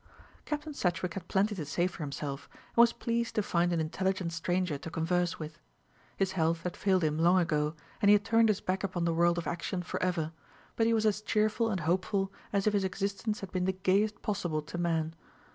Captain Sedgewick had plenty to say for himself, and was pleased to find an intelligent stranger to converse with. His health had failed him long ago, and he had turned his back upon the world of action for ever; but he was as cheerful and hopeful as if his existence had been the gayest possible to man.